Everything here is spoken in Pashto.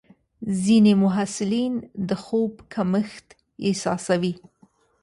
ځینې محصلین د خوب کمښت احساسوي.